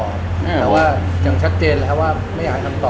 แบบว่าอย่างชัดเจนแหละว่าไม่อยากทำต่อ